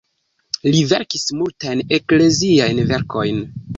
Li verkis multajn ekleziajn verkojn.